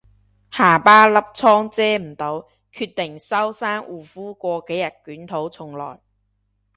下巴粒瘡遮唔到，決定收山護膚過幾日捲土重來